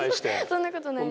そんなことないです。